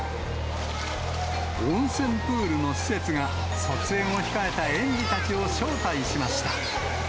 温泉プールの施設が、卒園を控えた園児たちを招待しました。